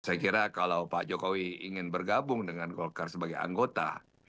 saya kira kalau pak jokowi ingin bergabung dengan golkar sebagai anggota